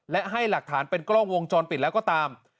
และให้หลักฐานเป็นกล้องวงจรปิดแล้วก็ตาม